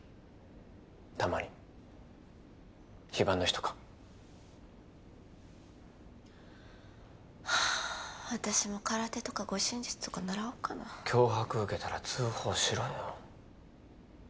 たまに非番の日とかはあっ私も空手とか護身術とか習おうかな脅迫受けたら通報しろよ